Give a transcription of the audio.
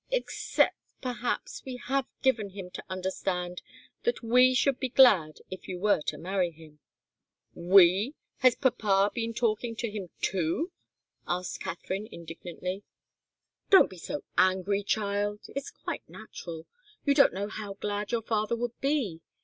"Except, perhaps, we have given him to understand that we should be glad if you would marry him." "We? Has papa been talking to him, too?" asked Katharine, indignantly. "Don't be so angry, child. It's quite natural. You don't know how glad your father would be.